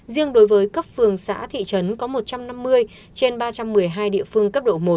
riêng đối với cấp phường xã thị trấn có một trăm năm mươi trên ba trăm một mươi hai địa phương cấp độ một